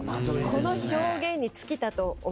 この表現に尽きたと思います。